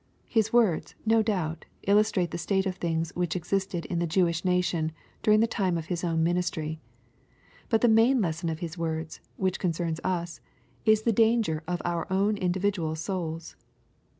His words, no doubt, illustrate the state of things which existed in the Jewish nation during the time of His own ministry. But the main lesson of his words, which concerns us, is the danger of our own individual souls.